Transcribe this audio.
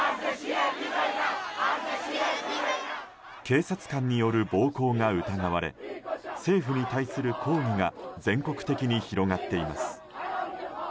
警察官による暴行が疑われ政府に対する抗議が全国的に広がっています。